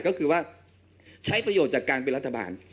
ก็คือว่าใช้ประโยชน์จากการเป็นรัฐบาล